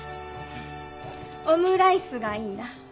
オムライスがいいな。